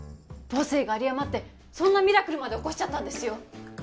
母性が有り余ってそんなミラクルまで起こしちゃったんですよ